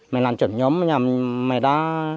mày làm trổng nhóm mà nhà mày đã